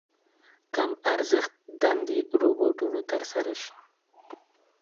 کم ارزښت دندې روباټونو تر سره شي.